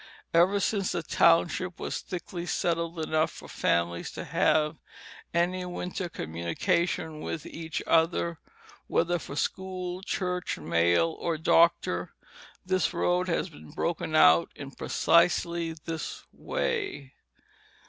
Ever since the township was thickly settled enough for families to have any winter communication with each other, whether for school, church, mail, or doctor, this road has been broken out in precisely this same way.